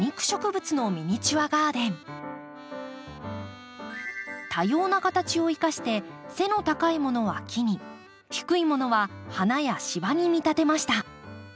まず多様な形を生かして背の高いものは木に低いものは花や芝に見立てました。